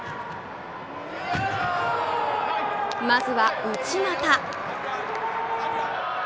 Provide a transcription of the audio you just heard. まずは内股。